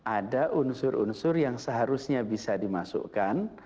ada unsur unsur yang seharusnya bisa dimasukkan